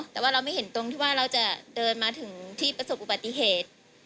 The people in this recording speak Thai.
แต่ว่าเราไม่เห็นตรงที่ว่าเราจะเดินมาถึงที่ประสบอุบัติเหตุ